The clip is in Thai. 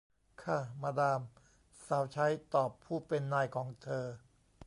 ค่ะ มาดาม สาวใช้ตอบผู้เป็นนายของเธอ